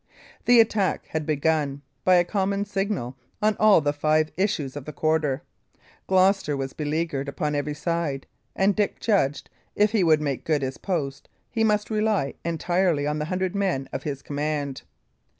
The attack had begun, by a common signal, on all the five issues of the quarter. Gloucester was beleaguered upon every side; and Dick judged, if he would make good his post, he must rely entirely on the hundred men of his command.